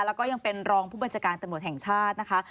แล้วก็ยังเป็นรองผู้บัญชาการตำรวจแห่งชาตินะคะ